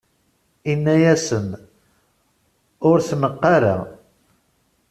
inna-asen: Ur t-neqq ara!